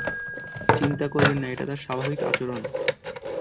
চিন্তা করবেন না, এটা তাঁর স্বাভাবিক আচরণ।